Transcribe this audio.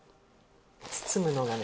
包むのがね